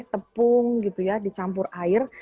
tepung gitu ya dicampur air